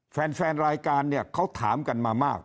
แฟนรายการเนี่ยเขาถามกันมามาก